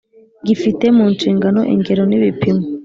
gifite mu nshingano ingero n ibipimo.